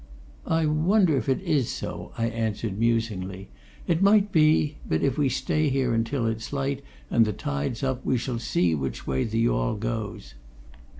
"I wonder if it is so?" I answered, musingly. "It might be but if we stay here until it's light and the tide's up, we shall see which way the yawl goes."